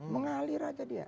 mengalir aja dia